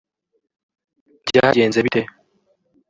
byagenze bite